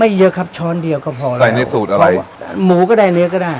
เยอะครับช้อนเดียวก็พอแล้วใส่ในสูตรอะไรหมูก็ได้เนื้อก็ได้